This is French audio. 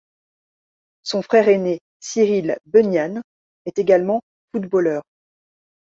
Son frère ainé Cyrille Bunyan est également footballeur.